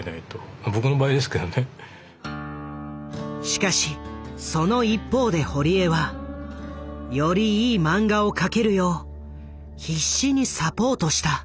しかしその一方で堀江はよりいい漫画を描けるよう必死にサポートした。